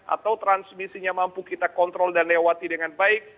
atau transmisinya mampu kita kontrol dan lewati dengan baik